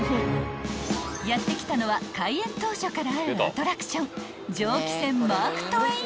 ［やって来たのは開園当初からあるアトラクション］